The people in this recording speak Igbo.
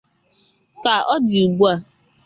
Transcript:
Ka ọ dị ugbua